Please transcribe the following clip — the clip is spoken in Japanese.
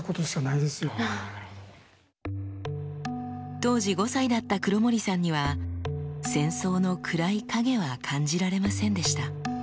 当時５歳だった黒森さんには戦争の暗い影は感じられませんでした。